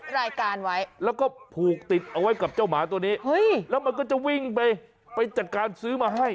รายการไว้แล้วก็ผูกติดเอาไว้กับเจ้าหมาตัวนี้แล้วมันก็จะวิ่งไปไปจัดการซื้อมาให้